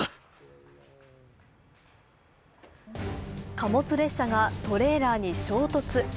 貨物列車がトレーラーに衝突。